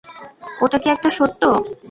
ওটা কি একটা সত্য!